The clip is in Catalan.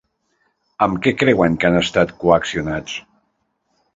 Amb què creuen que han estat coaccionats?